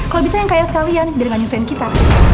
kalau bisa yang kaya sekalian biar gak nyufin kita